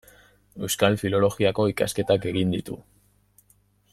Euskal Filologiako ikasketak egin ditu.